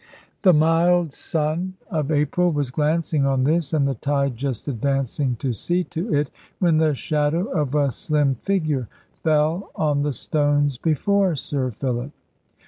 The mild sun of April was glancing on this, and the tide just advancing to see to it, when the shadow of a slim figure fell on the stones before Sir Philip.